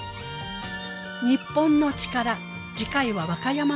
『日本のチカラ』次回は和歌山県。